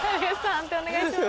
判定お願いします。